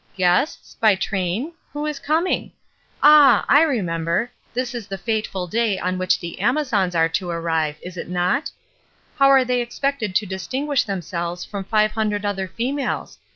''Guests? By train? Who is coming? Ah, I remember; this is the fateful day on which the Amazons are to arrive, is it not? How are AN EMINENTLY SENSIBLE PERSON 397 tbey expected to distinguish themselves from five hundred other females?